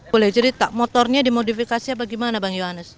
boleh cerita motornya dimodifikasi apa gimana bang yohanes